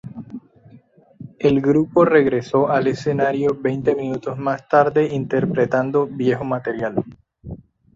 El grupo regresó al escenario veinte minutos más tarde interpretando viejo material.